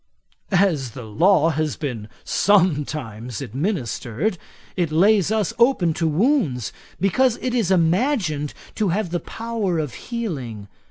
'As the law has been sometimes administered, it lays us open to wounds, because it is imagined to have the power of healing.